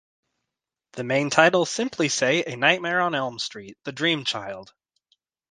The main titles simply say "A Nightmare on Elm Street: The Dream Child".